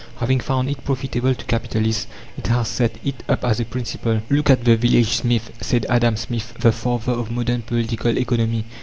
Having found it profitable to capitalists, it has set it up as a principle. Look at the village smith, said Adam Smith, the father of modern Political Economy.